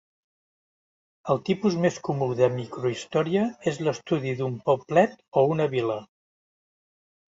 El tipus més comú de microhistòria és l'estudi d'un poblet o una vila.